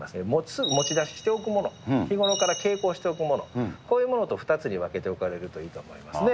すぐ持ち出ししておくもの、日頃から携行しておくもの、こういうものと２つに分けておかれるといいと思いますね。